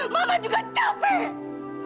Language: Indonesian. mama juga capek